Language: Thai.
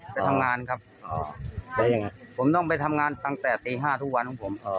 ไปทำงานครับเป็นยังไงผมต้องไปทำงานตั้งแต่ตีห้าทุกวันของผมเอ่อ